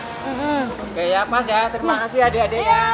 oke ya pas ya terima kasih adik adiknya